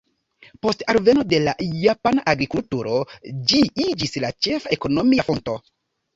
Post alveno de la japana agrikulturo ĝi iĝis la ĉefa ekonomia fonto.